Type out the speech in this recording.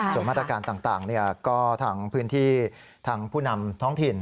ส่วนมาตรการต่างก็ทางพื้นที่ทางผู้นำท้องถิ่น